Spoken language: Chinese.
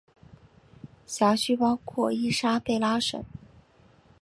辖区包括伊莎贝拉省。